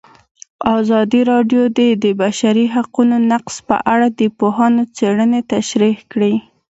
ازادي راډیو د د بشري حقونو نقض په اړه د پوهانو څېړنې تشریح کړې.